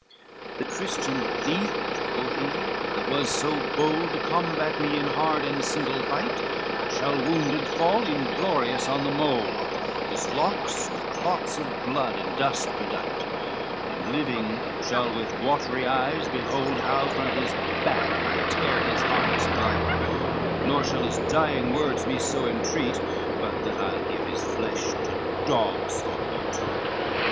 LIV "The Christian thief," quoth he, "that was so bold To combat me in hard and single fight, Shall wounded fall inglorious on the mould, His locks with clods of blood and dust bedight, And living shall with watery eyes behold How from his back I tear his harness bright, Nor shall his dying words me so entreat, But that I'll give his flesh to dogs for meat."